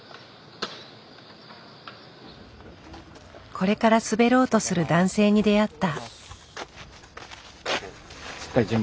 これから滑ろうとする男性に出会った。